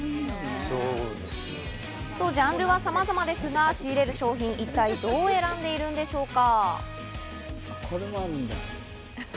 ジャンルは様々ですが、仕入れる商品、一体どう選んでいるんでしょうか？